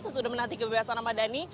sudah menanti kebebasan ahmad dhani